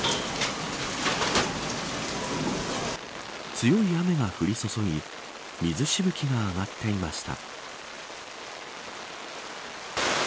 強い雨が降り注ぎ水しぶきが上がっていました。